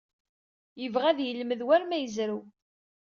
Yebɣa ad yelmed war ma yezrew.